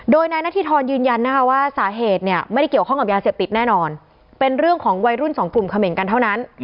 โดยนายนาธิธรยืนยันนะคะว่าสาเหตุเนี่ยไม่ได้เกี่ยวข้องกับยาเสพติดแน่นอนเป็นเรื่องของวัยรุ่นสองกลุ่มเขม่นกันเท่านั้น